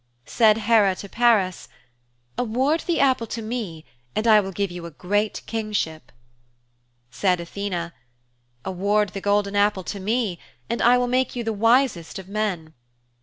Said Hera to Paris, 'Award the apple to me and I will give you a great kingship.' Said Athene, 'Award the golden apple to me and I will make you the wisest of men.'